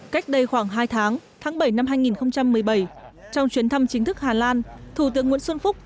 cách đây khoảng hai tháng tháng bảy năm hai nghìn một mươi bảy trong chuyến thăm chính thức hà lan thủ tướng nguyễn xuân phúc